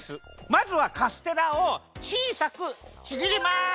まずはカステラをちいさくちぎります！